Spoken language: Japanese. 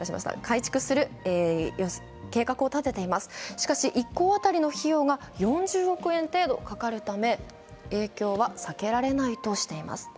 しかし１校当たりの費用が４０億円程度かかるので影響は避けられないとしています。